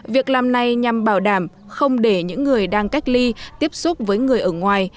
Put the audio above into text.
việc làm này nhằm bảo đảm không để những người đang cách ly tiếp xúc với người ở ngoài